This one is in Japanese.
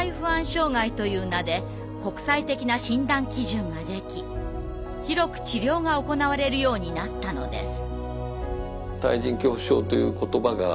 障害という名で国際的な診断基準ができ広く治療が行われるようになったのです。